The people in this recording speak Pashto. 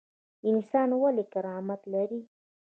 انسان ولې کرامت لري؟